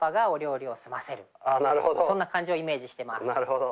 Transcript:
あなるほど。